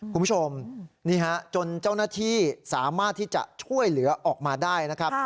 คุณผู้ชมนี่ฮะจนเจ้าหน้าที่สามารถที่จะช่วยเหลือออกมาได้นะครับ